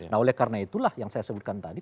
nah oleh karena itulah yang saya sebutkan tadi